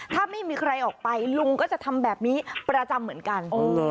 ถ้าไม่มีใครออกไปลุงก็จะทำแบบนี้ประจำเหมือนกัน